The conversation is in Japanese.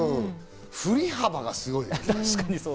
振り幅がすごい。